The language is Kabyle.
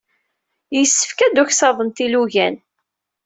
Yessefk ad uksaḍent ilugan.